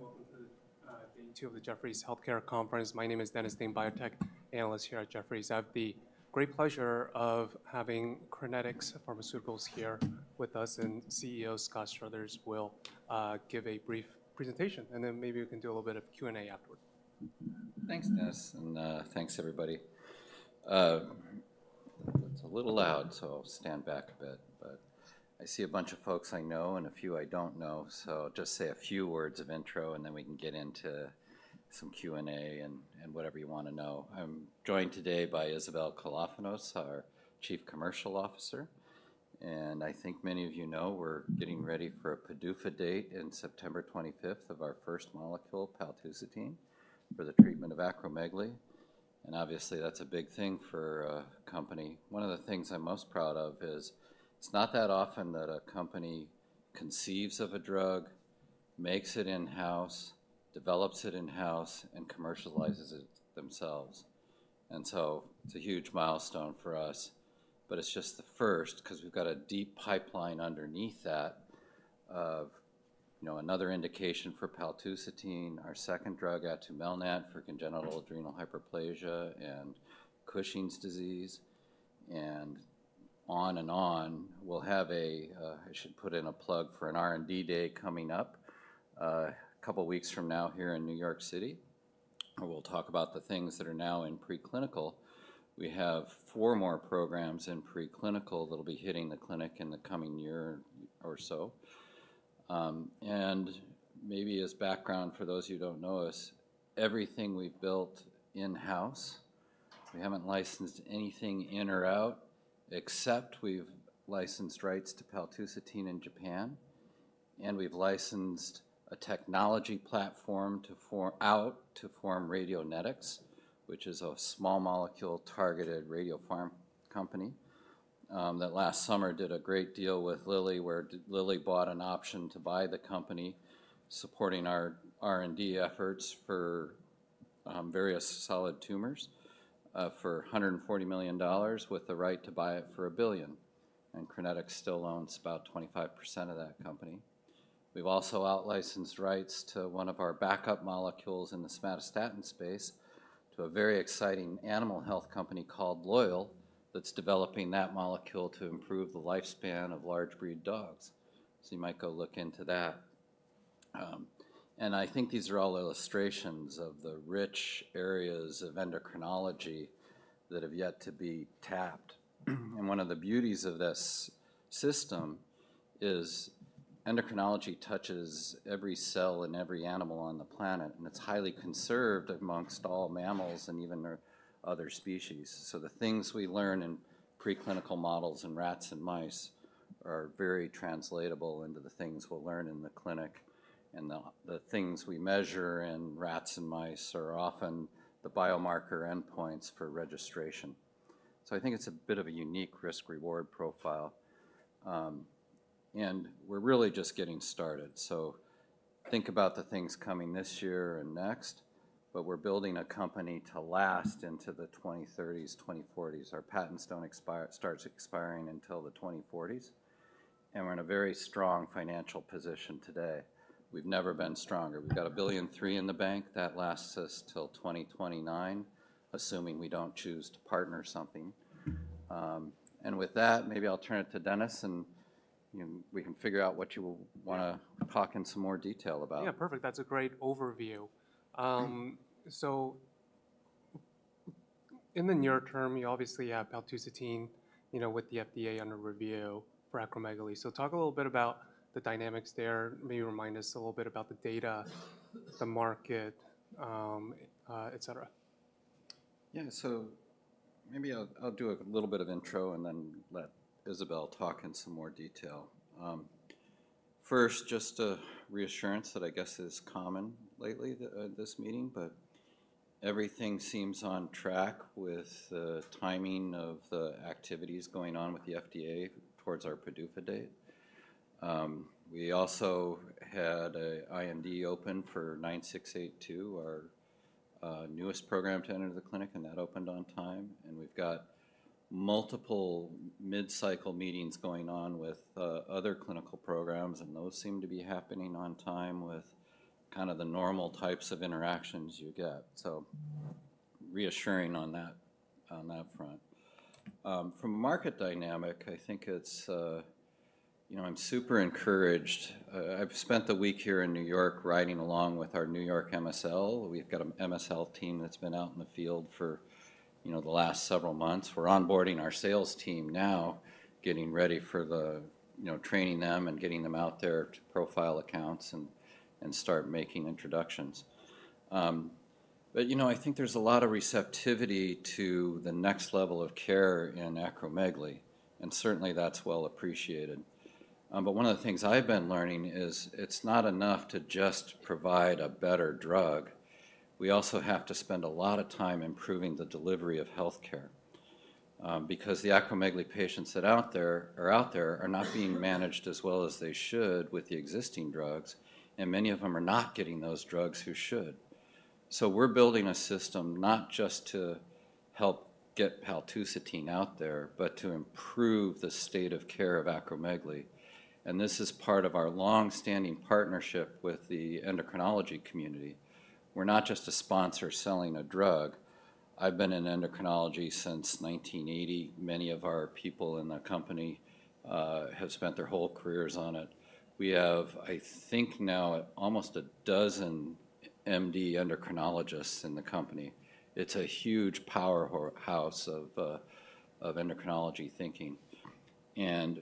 Welcome to Jefferies Healthcare Conference. My name is Dennis Ding, biotech analyst here at Jefferies. I have the great pleasure of having Crinetics Pharmaceuticals here with us, and CEO Scott Struthers will give a brief presentation, and then maybe we can do a little bit of Q&A afterwards. Thanks, Dennis, and thanks, everybody. It's a little loud, so I'll stand back a bit, but I see a bunch of folks I know and a few I don't know, so I'll just say a few words of intro, and then we can get into some Q&A and whatever you want to know. I'm joined today by Isabel Kalofonos, our Chief Commercial Officer, and I think many of you know we're getting ready for a PDUFA date on September 25 of our first molecule, paltusotine, for the treatment of acromegaly, and obviously that's a big thing for a company. One of the things I'm most proud of is it's not that often that a company conceives of a drug, makes it in-house, develops it in-house, and commercializes it themselves, and so it's a huge milestone for us, but it's just the first because we've got a deep pipeline underneath that of another indication for paltusotine, our second drug atumelnant for congenital adrenal hyperplasia and Cushing's disease, and on and on. We'll have a—I should put in a plug for an R&D day coming up a couple of weeks from now here in New York City. We'll talk about the things that are now in preclinical. We have four more programs in preclinical that'll be hitting the clinic in the coming year or so, and maybe as background for those who don't know us, everything we've built in-house, we haven't licensed anything in or out except we've licensed rights to paltusotine in Japan, and we've licensed a technology platform out to form Radionetics, which is a small molecule targeted radiopharm company that last summer did a great deal with Lilly, where Lilly bought an option to buy the company supporting our R&D efforts for various solid tumors for $140 million with the right to buy it for a billion, and Crinetics still owns about 25% of that company. We've also out-licensed rights to one of our backup molecules in the somatostatin space to a very exciting animal health company called Loyal that's developing that molecule to improve the lifespan of large-breed dogs, so you might go look into that, and I think these are all illustrations of the rich areas of endocrinology that have yet to be tapped. One of the beauties of this system is endocrinology touches every cell in every animal on the planet, and it's highly conserved amongst all mammals and even other species, so the things we learn in preclinical models in rats and mice are very translatable into the things we'll learn in the clinic, and the things we measure in rats and mice are often the biomarker endpoints for registration. I think it's a bit of a unique risk-reward profile, and we're really just getting started, so think about the things coming this year and next, but we're building a company to last into the 2030s, 2040s. Our patents don't expire; it starts expiring until the 2040s, and we're in a very strong financial position today. We've never been stronger. We've got $1.3 billion in the bank that lasts us till 2029, assuming we don't choose to partner something, and with that, maybe I'll turn it to Dennis, and we can figure out what you want to talk in some more detail about. Yeah, perfect. That's a great overview. In the near term, you obviously have paltusotine with the FDA under review for acromegaly, so talk a little bit about the dynamics there, maybe remind us a little bit about the data, the market, etc. Yeah, so maybe I'll do a little bit of intro and then let Isabel talk in some more detail. First, just a reassurance that I guess is common lately at this meeting, but everything seems on track with the timing of the activities going on with the FDA towards our PDUFA date. We also had an IND open for 9682, our newest program to enter the clinic, and that opened on time, and we've got multiple mid-cycle meetings going on with other clinical programs, and those seem to be happening on time with kind of the normal types of interactions you get, so reassuring on that front. From a market dynamic, I think it's—I'm super encouraged. I've spent the week here in New York riding along with our New York MSL. We've got an MSL team that's been out in the field for the last several months. We're onboarding our sales team now, getting ready for the training them and getting them out there to profile accounts and start making introductions. I think there's a lot of receptivity to the next level of care in acromegaly, and certainly that's well appreciated. One of the things I've been learning is it's not enough to just provide a better drug. We also have to spend a lot of time improving the delivery of healthcare because the acromegaly patients that are out there are not being managed as well as they should with the existing drugs, and many of them are not getting those drugs who should. We're building a system not just to help get paltusotine out there, but to improve the state of care of acromegaly, and this is part of our long-standing partnership with the endocrinology community. We're not just a sponsor selling a drug. I've been in endocrinology since 1980. Many of our people in the company have spent their whole careers on it. We have, I think now, almost a dozen MD endocrinologists in the company. It's a huge powerhouse of endocrinology thinking, and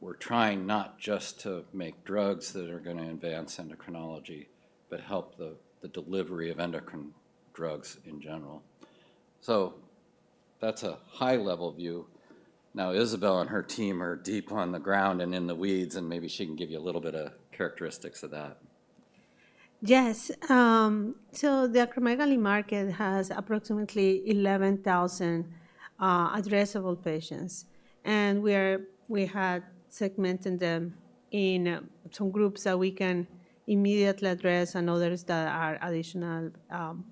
we're trying not just to make drugs that are going to advance endocrinology, but help the delivery of endocrine drugs in general. That is a high-level view. Now, Isabel and her team are deep on the ground and in the weeds, and maybe she can give you a little bit of characteristics of that. Yes, so the acromegaly market has approximately 11,000 addressable patients, and we are—we had segmented them in some groups that we can immediately address and others that are additional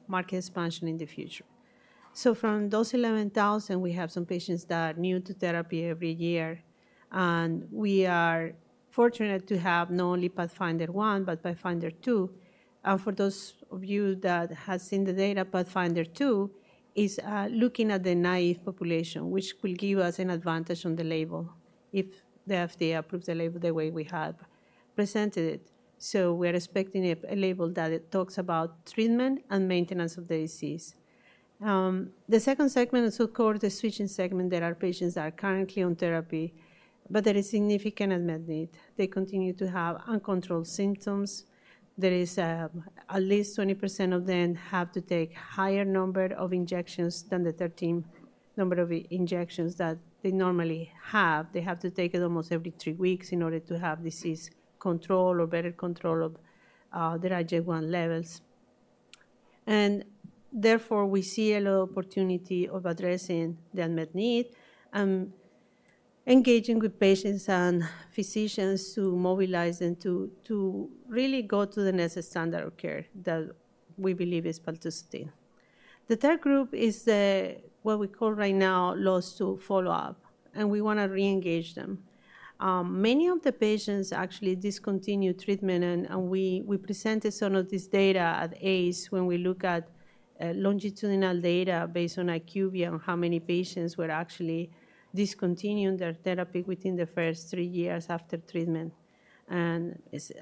market expansion in the future. From those 11,000, we have some patients that are new to therapy every year, and we are fortunate to have not only Pathfinder 1, but Pathfinder 2. For those of you that have seen the data, Pathfinder 2 is looking at the naive population, which will give us an advantage on the label if the FDA approves the label the way we have presented it. We are expecting a label that talks about treatment and maintenance of the disease. The second segment is, of course, the switching segment. There are patients that are currently on therapy, but there is significant admitted need. They continue to have uncontrolled symptoms. There is at least 20% of them have to take a higher number of injections than the 13 number of injections that they normally have. They have to take it almost every three weeks in order to have disease control or better control of their IGF-1 levels, and therefore we see a lot of opportunity of addressing the admitted need and engaging with patients and physicians to mobilize them to really go to the next standard of care that we believe is paltusotine. The third group is what we call right now lost to follow-up, and we want to re-engage them. Many of the patients actually discontinue treatment, and we presented some of this data at ACE when we look at longitudinal data based on IQVIA on how many patients were actually discontinuing their therapy within the first three years after treatment, and it's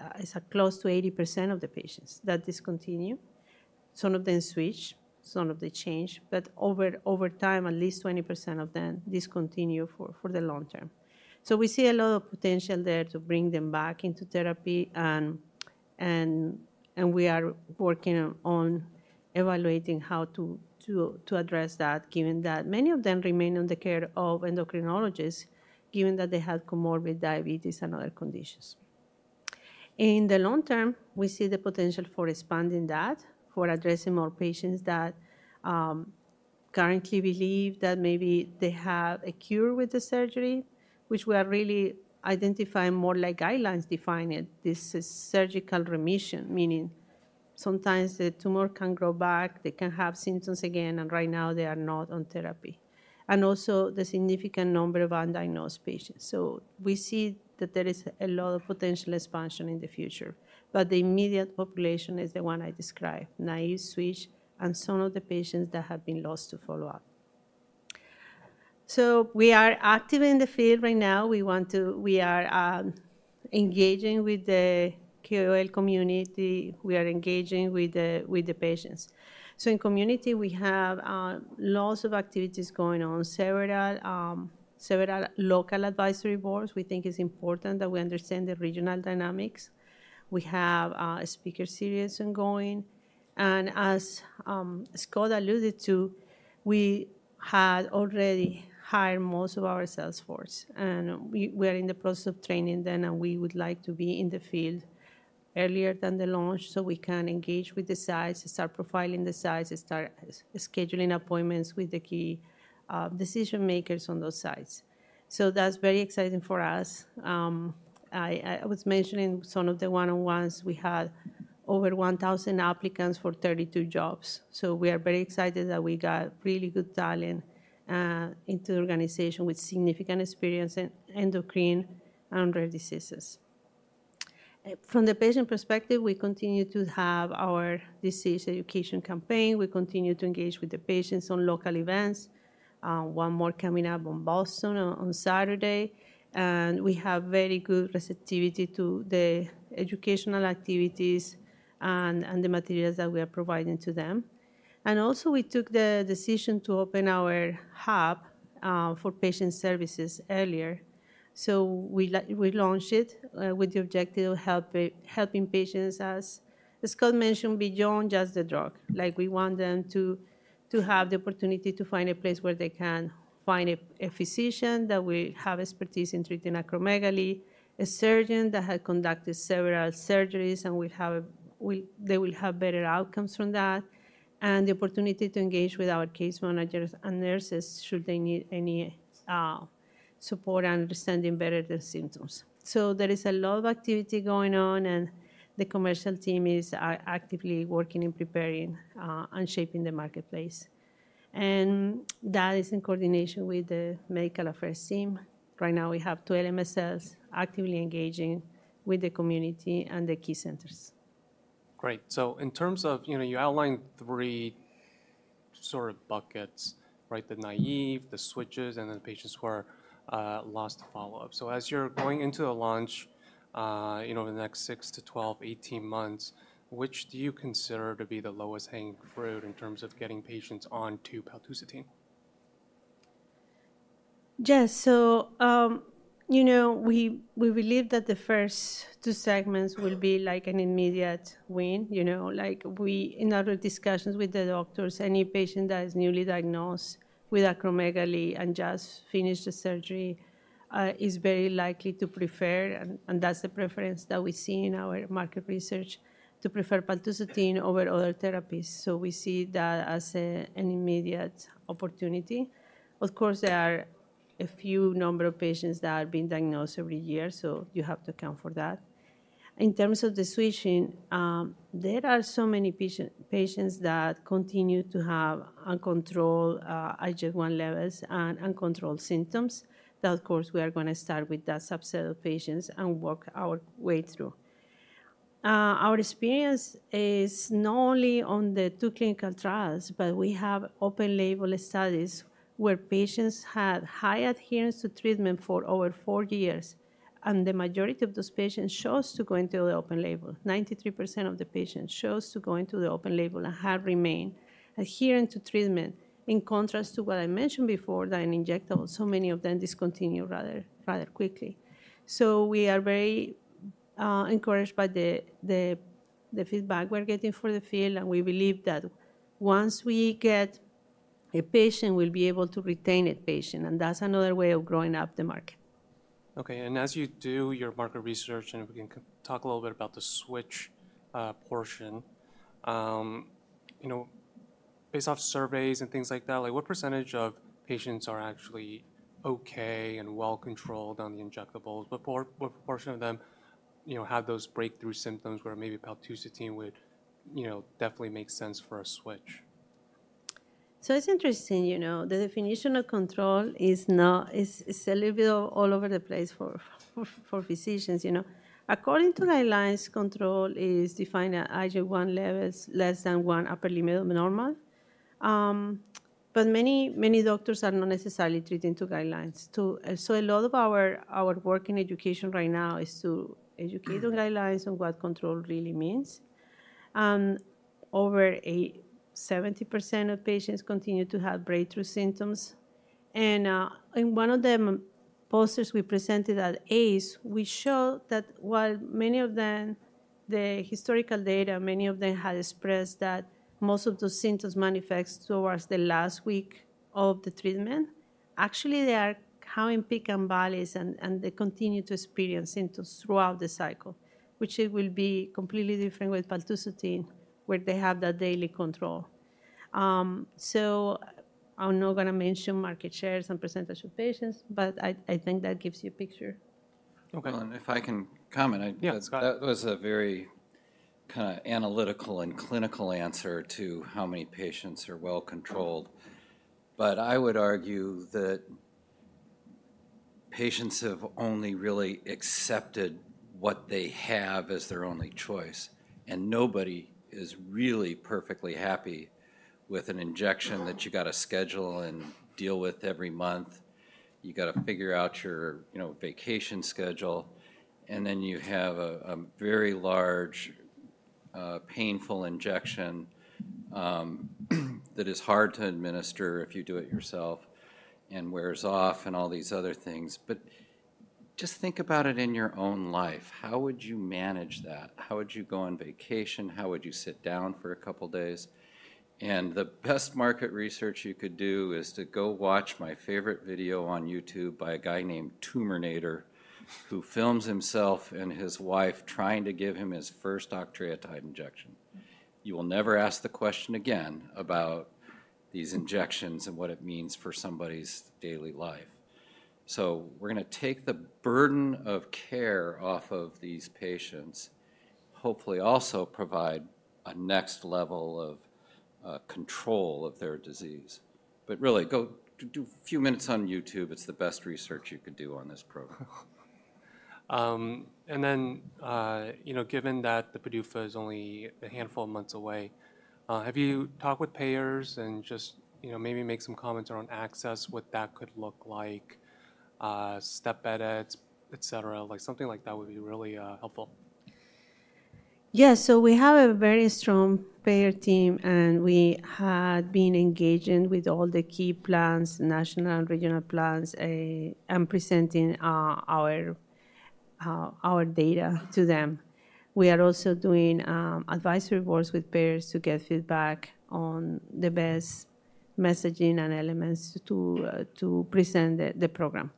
close to 80% of the patients that discontinue. Some of them switch, some of them change, but over time, at least 20% of them discontinue for the long term. We see a lot of potential there to bring them back into therapy, and we are working on evaluating how to address that, given that many of them remain under the care of endocrinologists, given that they have comorbid diabetes and other conditions. In the long term, we see the potential for expanding that, for addressing more patients that currently believe that maybe they have a cure with the surgery, which we are really identifying more like guidelines defining this surgical remission, meaning sometimes the tumor can grow back, they can have symptoms again, and right now they are not on therapy, and also the significant number of undiagnosed patients. We see that there is a lot of potential expansion in the future, but the immediate population is the one I described: naive switch and some of the patients that have been lost to follow-up. We are active in the field right now. We are engaging with the KOL community. We are engaging with the patients. In community, we have lots of activities going on, several local advisory boards. We think it's important that we understand the regional dynamics. We have a speaker series ongoing, and as Scott alluded to, we had already hired most of our sales force, and we are in the process of training them, and we would like to be in the field earlier than the launch so we can engage with the sites, start profiling the sites, start scheduling appointments with the key decision makers on those sites. That is very exciting for us. I was mentioning some of the one-on-ones. We had over 1,000 applicants for 32 jobs, so we are very excited that we got really good talent into the organization with significant experience in endocrine and rare diseases. From the patient perspective, we continue to have our disease education campaign. We continue to engage with the patients on local events. One more coming up in Boston on Saturday, and we have very good receptivity to the educational activities and the materials that we are providing to them. We took the decision to open our hub for patient services earlier, so we launched it with the objective of helping patients, as Scott mentioned, beyond just the drug. We want them to have the opportunity to find a place where they can find a physician that will have expertise in treating acromegaly, a surgeon that has conducted several surgeries, and they will have better outcomes from that, and the opportunity to engage with our case managers and nurses should they need any support and understanding better their symptoms. There is a lot of activity going on, and the commercial team is actively working in preparing and shaping the marketplace, and that is in coordination with the medical affairs team. Right now, we have 12 MSLs actively engaging with the community and the key centers. Great. In terms of you outlined three sort of buckets, the naive, the switches, and then the patients who are lost to follow-up. As you're going into the launch over the next 6-12, 18 months, which do you consider to be the lowest-hanging fruit in terms of getting patients onto paltusotine? Yes, so we believe that the first two segments will be like an immediate win. In our discussions with the doctors, any patient that is newly diagnosed with acromegaly and just finished the surgery is very likely to prefer, and that's the preference that we see in our market research, to prefer paltusotine over other therapies. We see that as an immediate opportunity. Of course, there are a few number of patients that are being diagnosed every year, so you have to account for that. In terms of the switching, there are so many patients that continue to have uncontrolled IGF-1 levels and uncontrolled symptoms that, of course, we are going to start with that subset of patients and work our way through. Our experience is not only on the two clinical trials, but we have open-label studies where patients had high adherence to treatment for over four years, and the majority of those patients chose to go into the open label. 93% of the patients chose to go into the open label and have remained adherent to treatment, in contrast to what I mentioned before, that injectable, so many of them discontinued rather quickly. We are very encouraged by the feedback we're getting from the field, and we believe that once we get a patient, we'll be able to retain a patient, and that's another way of growing up the market. Okay, and as you do your market research, and if we can talk a little bit about the switch portion, based off surveys and things like that, what percentage of patients are actually okay and well controlled on the injectables, but what proportion of them have those breakthrough symptoms where maybe paltusotine would definitely make sense for a switch? It's interesting. The definition of control is a little bit all over the place for physicians. According to guidelines, control is defined as IGF-1 levels less than one upper limit of normal, but many doctors are not necessarily treating to guidelines. A lot of our work in education right now is to educate on guidelines on what control really means. Over 70% of patients continue to have breakthrough symptoms, and in one of the posters we presented at ACE, we showed that while many of them, the historical data, many of them had expressed that most of those symptoms manifest towards the last week of the treatment; actually, they are having peaks and valleys, and they continue to experience symptoms throughout the cycle, which will be completely different with paltusotine where they have that daily control. I'm not going to mention market shares and percentage of patients, but I think that gives you a picture. Okay, if I can comment. Yeah, Scott. That was a very kind of analytical and clinical answer to how many patients are well controlled, but I would argue that patients have only really accepted what they have as their only choice, and nobody is really perfectly happy with an injection that you got to schedule and deal with every month. You got to figure out your vacation schedule, and then you have a very large, painful injection that is hard to administer if you do it yourself and wears off, and all these other things. Just think about it in your own life. How would you manage that? How would you go on vacation? How would you sit down for a couple of days? The best market research you could do is to go watch my favorite video on YouTube by a guy named Tumornator who films himself and his wife trying to give him his first octreotide injection. You will never ask the question again about these injections and what it means for somebody's daily life. We are going to take the burden of care off of these patients, hopefully also provide a next level of control of their disease. Really, go do a few minutes on YouTube. It is the best research you could do on this program. Given that the PDUFA is only a handful of months away, have you talked with payers and just maybe make some comments around access, what that could look like, step edit, et cetera? Something like that would be really helpful. Yeah, so we have a very strong payer team, and we had been engaging with all the key plans, national and regional plans, and presenting our data to them. We are also doing advisory boards with payers to get feedback on the best messaging and elements to present the program.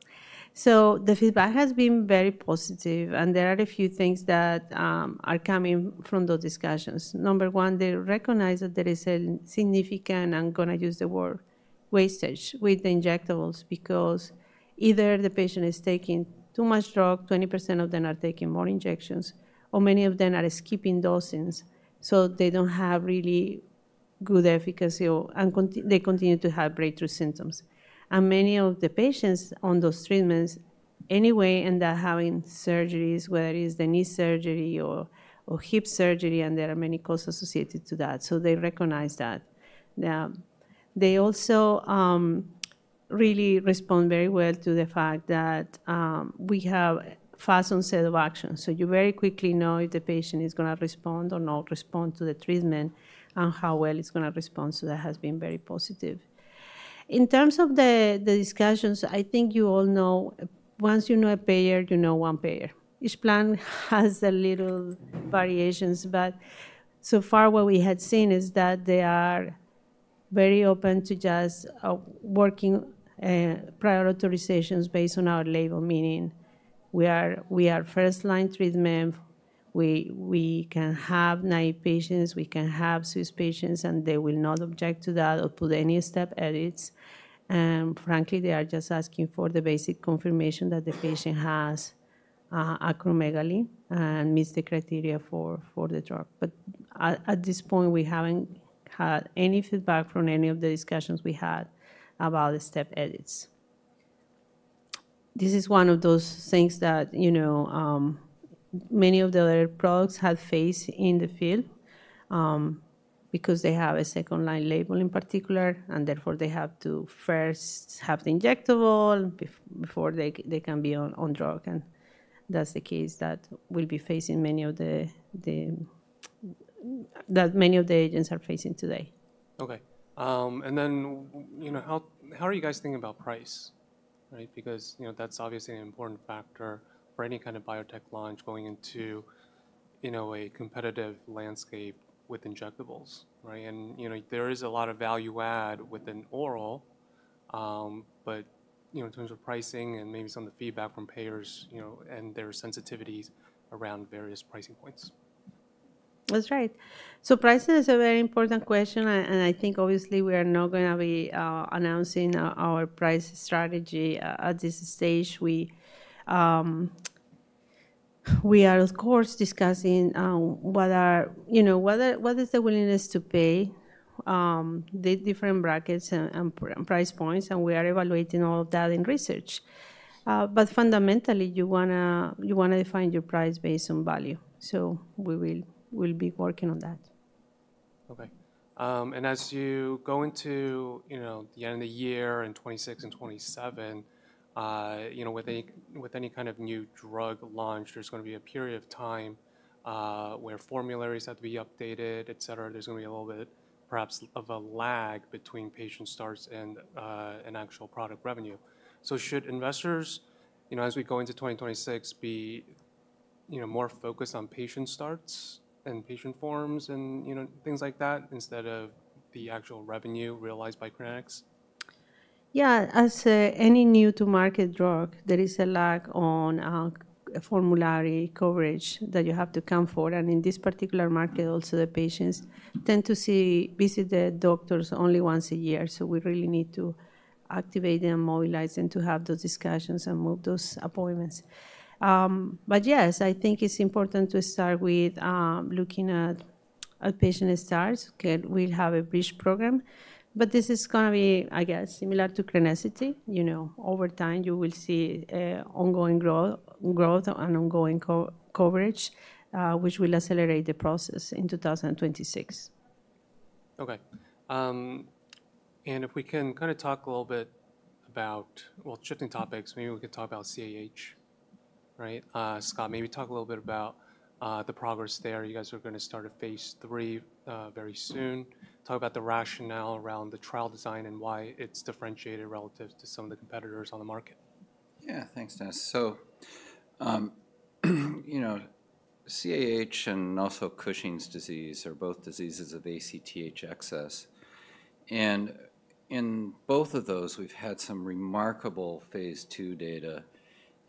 The feedback has been very positive, and there are a few things that are coming from those discussions. Number one, they recognize that there is a significant, I'm going to use the word, wastage with the injectables because either the patient is taking too much drug, 20% of them are taking more injections, or many of them are skipping dosings, so they do not have really good efficacy, and they continue to have breakthrough symptoms. Many of the patients on those treatments anyway end up having surgeries, whether it is the knee surgery or hip surgery, and there are many costs associated to that. They recognize that. They also really respond very well to the fact that we have fast onset of action. You very quickly know if the patient is going to respond or not respond to the treatment and how well it is going to respond. That has been very positive. In terms of the discussions, I think you all know, once you know a payer, you know one payer. Each plan has a little variations, but so far what we had seen is that they are very open to just working prior authorizations based on our label, meaning we are first-line treatment. We can have naive patients, we can have switch patients, and they will not object to that or put any step edits. Frankly, they are just asking for the basic confirmation that the patient has acromegaly and meets the criteria for the drug. At this point, we have not had any feedback from any of the discussions we had about the step edits. This is one of those things that many of the other products have faced in the field because they have a second-line label in particular, and therefore they have to first have the injectable before they can be on drug, and that is the case that we will be facing, that many of the agents are facing today. Okay, and then how are you guys thinking about price? Because that's obviously an important factor for any kind of biotech launch going into a competitive landscape with injectables. There is a lot of value add with an oral, but in terms of pricing and maybe some of the feedback from payers and their sensitivities around various pricing points. That's right. Pricing is a very important question, and I think obviously we are not going to be announcing our price strategy at this stage. We are, of course, discussing what is the willingness to pay, the different brackets and price points, and we are evaluating all of that in research. Fundamentally, you want to define your price based on value. We will be working on that. Okay, and as you go into the end of the year in 2026 and 2027, with any kind of new drug launched, there's going to be a period of time where formularies have to be updated, et cetera. There's going to be a little bit, perhaps, of a lag between patient starts and actual product revenue. Should investors, as we go into 2026, be more focused on patient starts and patient forms and things like that instead of the actual revenue realized by clinics? Yeah, as any new-to-market drug, there is a lag on formulary coverage that you have to account for. In this particular market, also, the patients tend to visit the doctors only once a year. We really need to activate them, mobilize them to have those discussions and move those appointments. Yes, I think it's important to start with looking at patient starts. We'll have a bridge program, but this is going to be, I guess, similar to Crinetics Pharmaceuticals. Over time, you will see ongoing growth and ongoing coverage, which will accelerate the process in 2026. Okay, and if we can kind of talk a little bit about shifting topics, maybe we can talk about CAH, right? Scott, maybe talk a little bit about the progress there. You guys are going to start a phase three very soon. Talk about the rationale around the trial design and why it's differentiated relative to some of the competitors on the market. Yeah, thanks, Dennis. CAH and also Cushing's disease are both diseases of ACTH excess. In both of those, we've had some remarkable phase two data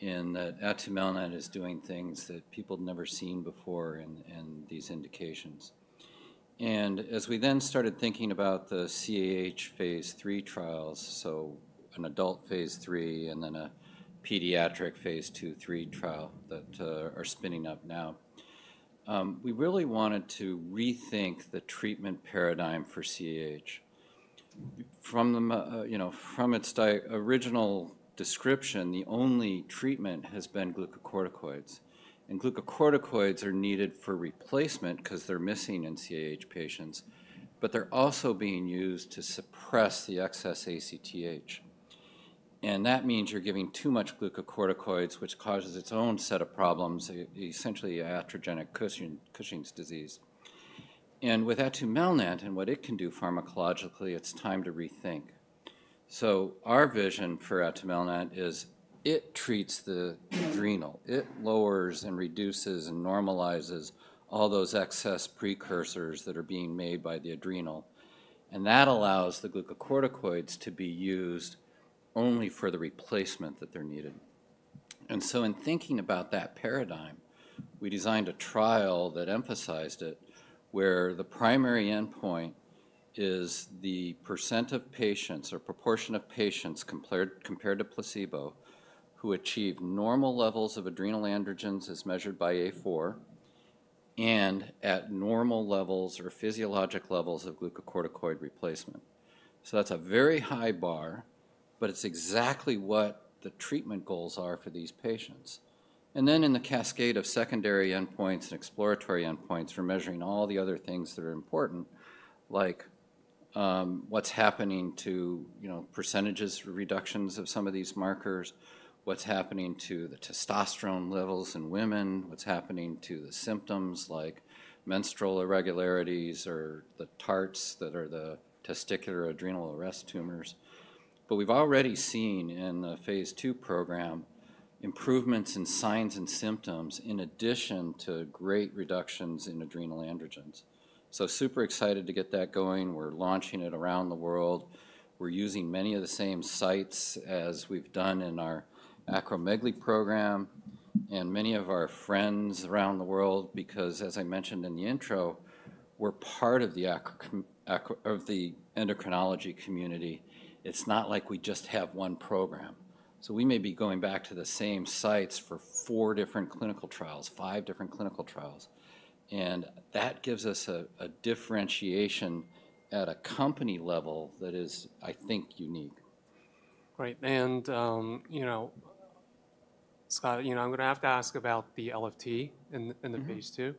in that atumelnant is doing things that people had never seen before in these indications. As we then started thinking about the CAH phase three trials, so an adult phase three and then a pediatric phase two-three trial that are spinning up now, we really wanted to rethink the treatment paradigm for CAH. From its original description, the only treatment has been glucocorticoids. Glucocorticoids are needed for replacement because they're missing in CAH patients, but they're also being used to suppress the excess ACTH. That means you're giving too much glucocorticoids, which causes its own set of problems, essentially iatrogenic Cushing's disease. With atumelnant and what it can do pharmacologically, it's time to rethink. Our vision for atumelnant is it treats the adrenal. It lowers and reduces and normalizes all those excess precursors that are being made by the adrenal. That allows the glucocorticoids to be used only for the replacement that they're needed. In thinking about that paradigm, we designed a trial that emphasized it where the primary endpoint is the % of patients or proportion of patients compared to placebo who achieve normal levels of adrenal androgens as measured by A4 and at normal levels or physiologic levels of glucocorticoid replacement. That's a very high bar, but it's exactly what the treatment goals are for these patients. In the cascade of secondary endpoints and exploratory endpoints for measuring all the other things that are important, like what's happening to percentages or reductions of some of these markers, what's happening to the testosterone levels in women, what's happening to the symptoms like menstrual irregularities or the TARTs that are the testicular adrenal rest tumors. We have already seen in the phase two program improvements in signs and symptoms in addition to great reductions in adrenal androgens. Super excited to get that going. We are launching it around the world. We are using many of the same sites as we have done in our acromegaly program and many of our friends around the world because, as I mentioned in the intro, we are part of the endocrinology community. It is not like we just have one program. We may be going back to the same sites for four different clinical trials, five different clinical trials. That gives us a differentiation at a company level that is, I think, unique. Great, and Scott, I'm going to have to ask about the LFT in the phase two.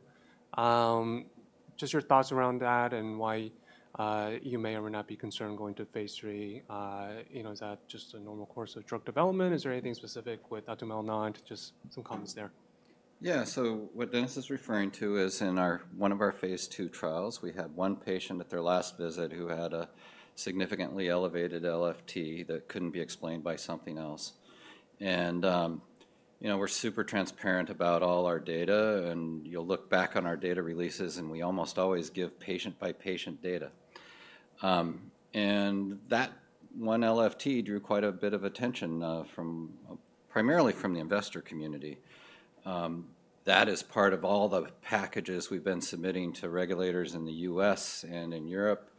Just your thoughts around that and why you may or may not be concerned going to phase three. Is that just a normal course of drug development? Is there anything specific with atumelnant? Just some comments there. Yeah, so what Dennis is referring to is in one of our phase two trials, we had one patient at their last visit who had a significantly elevated LFT that could not be explained by something else. And we are super transparent about all our data, and you will look back on our data releases, and we almost always give patient-by-patient data. And that one LFT drew quite a bit of attention primarily from the investor community. That is part of all the packages we have been submitting to regulators in the U.S. and in Europe.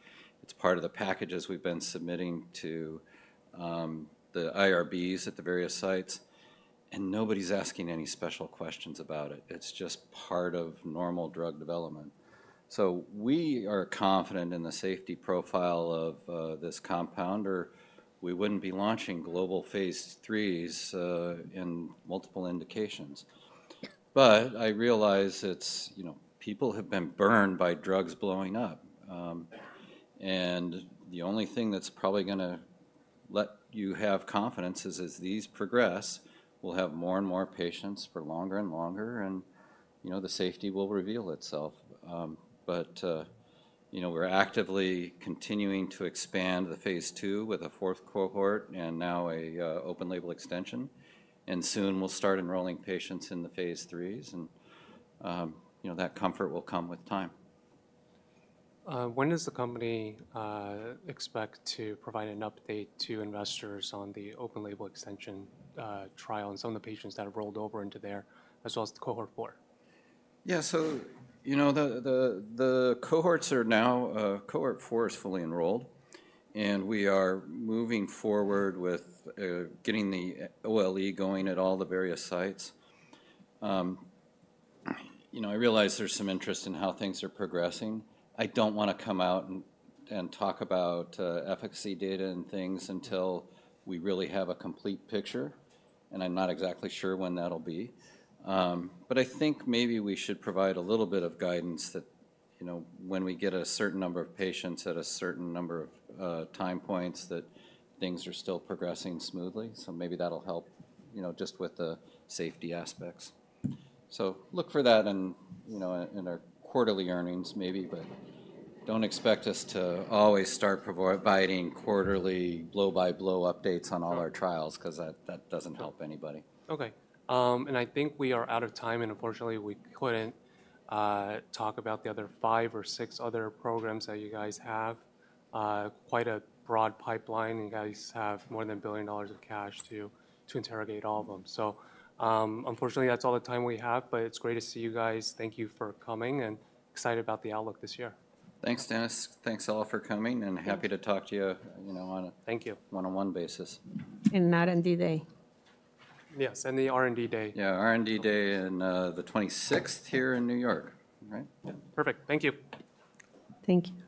It is part of the packages we have been submitting to the IRBs at the various sites. And nobody is asking any special questions about it. It is just part of normal drug development. We are confident in the safety profile of this compound, or we would not be launching global phase threes in multiple indications. I realize people have been burned by drugs blowing up. The only thing that's probably going to let you have confidence is as these progress, we'll have more and more patients for longer and longer, and the safety will reveal itself. We're actively continuing to expand the phase two with a fourth cohort and now an open-label extension. Soon we'll start enrolling patients in the phase threes, and that comfort will come with time. When does the company expect to provide an update to investors on the open-label extension trial and some of the patients that have rolled over into there, as well as the cohort four? Yeah, so the cohorts are now, cohort four is fully enrolled, and we are moving forward with getting the OLE going at all the various sites. I realize there's some interest in how things are progressing. I don't want to come out and talk about efficacy data and things until we really have a complete picture. I'm not exactly sure when that'll be. I think maybe we should provide a little bit of guidance that when we get a certain number of patients at a certain number of time points, things are still progressing smoothly. Maybe that'll help just with the safety aspects. Look for that in our quarterly earnings maybe, but don't expect us to always start providing quarterly blow-by-blow updates on all our trials because that doesn't help anybody. Okay, I think we are out of time, and unfortunately, we could not talk about the other five or six other programs that you guys have. Quite a broad pipeline, and you guys have more than $1 billion of cash to interrogate all of them. Unfortunately, that is all the time we have, but it is great to see you guys. Thank you for coming, and excited about the outlook this year. Thanks, Dennis. Thanks all for coming, and happy to talk to you on a one-on-one basis. R&D Day. Yes, and the R&D Day. Yeah, R&D day on the 26th here in New York, right? Perfect, thank you. Thank you.